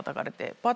バッ！